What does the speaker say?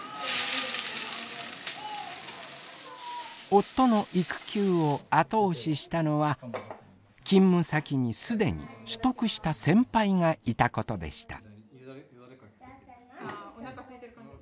夫の育休を後押ししたのは勤務先に既に取得した先輩がいたことでした。